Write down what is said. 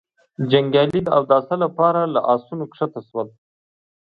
جنګيالي د اوداسه له پاره له آسونو کښته شول.